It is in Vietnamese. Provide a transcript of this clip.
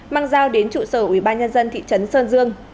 mang giao đến trụ sở ủy ban nhân dân thị trấn sơn dương